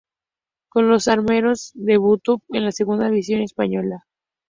Con los "armeros" debutó en la Segunda división española.